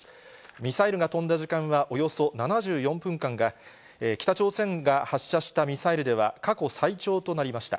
ミサイルが飛んだ時間はおよそ７４分間で、北朝鮮が発射したミサイルでは過去最長となりました。